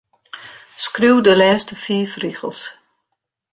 Skriuw de lêste fiif rigels.